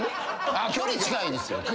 あっ距離近いですよ。